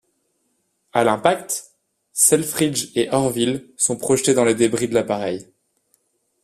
À l'impact, Selfridge et Orville sont projetés dans les débris de l'appareil.